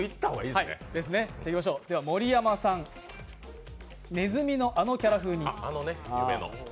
では、盛山さん「ネズミのあらキャラ風に」。